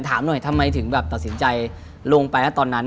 ถามหน่อยทำไมถึงแบบตัดสินใจลงไปนะตอนนั้น